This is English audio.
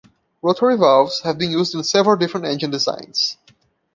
Rotary valves have been used in several different engine designs.